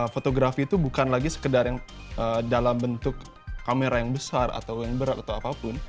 fotografi itu bukan lagi sekedar yang dalam bentuk kamera yang besar atau yang berat atau apapun